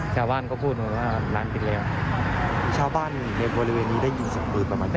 ชาวบ้านก็พูดว่าร้านปิดแล้วชาวบ้านในบริเวณนี้ได้ยินประมาณกี่